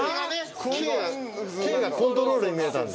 これがねコントロールに見えたんだ？